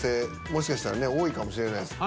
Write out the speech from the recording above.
もしかしたらね多いかもしれないです。